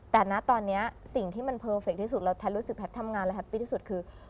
แต่นะตอนนี้สิ่งที่มันเพอร์เฟคที่สุดแล้วแพทย์รู้สึกแพทย์ทำงานและแฮปปี้ที่สุดคือ